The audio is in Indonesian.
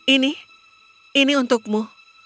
ini ini untukmu